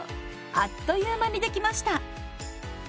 あっという間に出来ました。